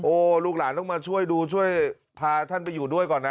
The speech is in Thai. ลูกหลานต้องมาช่วยดูช่วยพาท่านไปอยู่ด้วยก่อนนะ